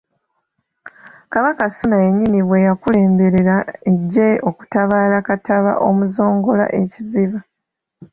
Kabaka Ssuuna yennyini bwe yeekulemberera eggye okutabaala Kattaba Omuzongola e Kiziba.